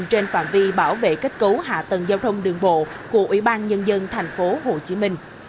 trên toàn vi bảo vệ kết cấu hạ tầng giao thông đường bộ của ủy ban nhân dân tp hcm